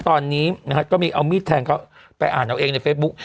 ตอนนี้นะฮะก็มีเอามีดแทงเขาไปอ่านเอาเองในเฟซบุ๊ก